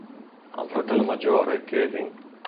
Ha un fratello maggiore, Kevin.